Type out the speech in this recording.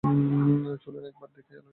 চলুন, একবার দেখাইয়া লইয়া আসি।